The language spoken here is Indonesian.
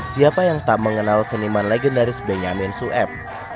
siapa yang tak mengenal seniman legendaris benyamin sueb